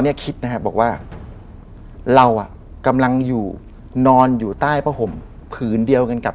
เยอะเลยเหรอ